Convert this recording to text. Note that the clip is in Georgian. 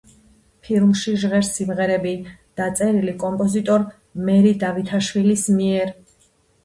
ფილმში ჟღერს სიმღერები, დაწერილი კომპოზიტორ მერი დავითაშვილის მიერ.